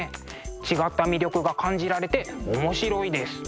違った魅力が感じられて面白いです。